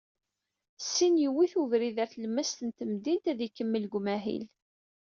Syin yuwi-t ubrid ɣer tlemmast n temdint, ad ikemmel deg umahil.